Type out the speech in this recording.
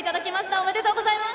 おめでとうございます。